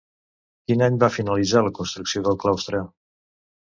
Quin any va finalitzar la construcció del claustre?